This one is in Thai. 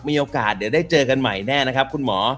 มีโอกาสเดี๋ยวได้เจอกันใหม่แน่นะครับคุณหมอ